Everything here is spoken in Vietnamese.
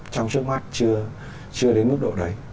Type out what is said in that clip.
trong trước mắt chưa đến mức độ đấy